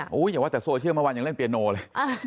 โยไหวแต่โซเชียลยังเล่นเบียโนเลย